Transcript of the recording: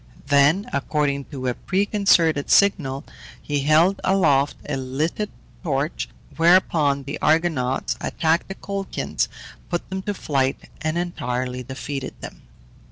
Then, according to a preconcerted signal, he held aloft a lighted torch, whereupon the Argonauts attacked the Colchians, put them to flight, and entirely defeated them.